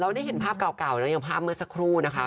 ได้เห็นภาพเก่าแล้วอย่างภาพเมื่อสักครู่นะคะ